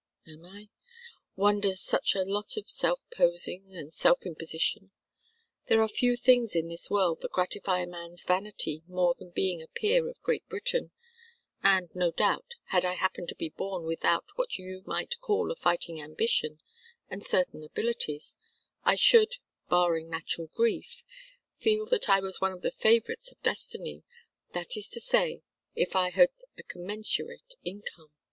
"Am I? One does such a lot of self posing and self imposition. There are few things in this world that gratify a man's vanity more than being a peer of Great Britain, and, no doubt, had I happened to be born without what you might call a fighting ambition, and certain abilities, I should barring natural grief feel that I was one of the favorites of destiny that is to say if I had a commensurate income.